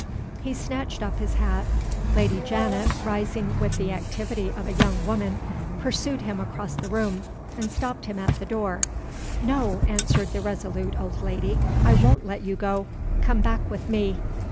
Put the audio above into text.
He snatched up his hat. Lady Janet, rising with the activity of a young woman, pursued him across the room, and stopped him at the door. "No," answered the resolute old lady, "I won't let you go. Come back with me."